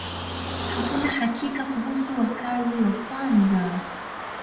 Hakuna hakika kuhusu wakazi wa kwanza.